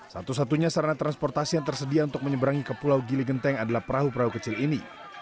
satu satunya sarana transportasi yang tersedia untuk menyeberangi ke pulau gili genteng adalah perahu perahu kecil ini